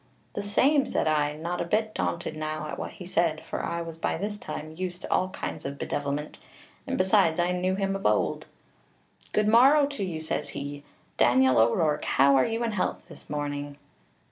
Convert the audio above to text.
'The same,' said I, not a bit daunted now at what he said, for I was by this time used to all kinds of bedevilment, and, besides, I knew him of ould. 'Good morrow to you,' says he, 'Daniel O'Rourke; how are you in health this morning?'